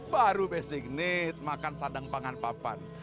baru basic need makan sadang pangan papan